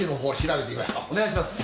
お願いします。